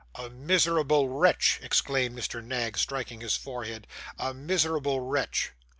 'A miserable wretch,' exclaimed Mr. Knag, striking his forehead. 'A miserable wretch.